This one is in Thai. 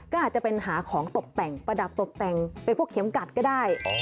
ก็อาจจะเป็นหาของตกแต่งประดับตกแต่งเป็นพวกเข็มกัดก็ได้